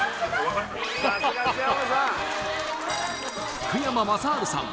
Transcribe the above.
福山雅治さん